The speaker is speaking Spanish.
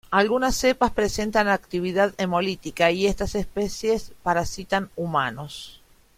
Algunas cepas presentan actividad hemolítica y estas especies parasitan humanos.